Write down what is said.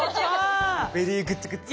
ベリーグッドグッド。